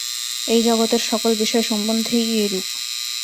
এই জগতের সকল বিষয় সম্বন্ধেই এইরূপ।